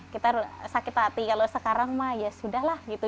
kita sakit hati kalau sekarang mah ya sudah lah gitu